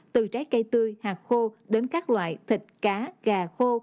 từ trái cây tươi hạt khô đến các loại thịt cá gà khô